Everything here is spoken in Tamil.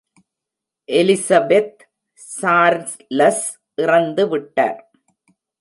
எலிசபெத் சார்லஸ் இறந்து விட்டார்.